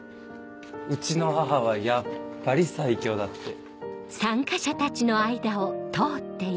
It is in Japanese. うちの母はやっぱり最強だって。